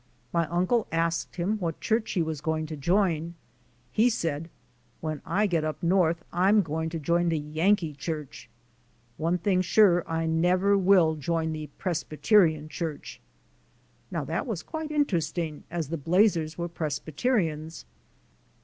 My uncle asked him what church he was going to join. He said: *^When I get up North I'm gwine to join the Yankee church. One thing sure I nebber will join the Presbyterian church.'' Now that was quite in teresting as the Blazers were Presbyterians.